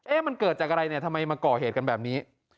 มันเกิดจากอะไรเนี่ยทำไมมาก่อเหตุกันแบบนี้